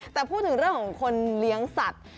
แต่พูดถึงเรื่องของคนเลี้ยงสัตว์